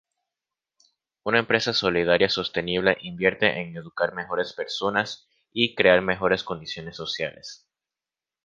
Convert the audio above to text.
Una empresa solidaria sostenible invierte en educar mejores personas y crear mejores condiciones sociales.